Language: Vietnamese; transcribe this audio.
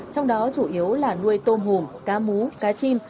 trong đó chủ yếu là nuôi tôm hùm cá mú cá chim